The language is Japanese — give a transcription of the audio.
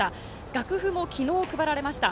楽譜も昨日、配られました。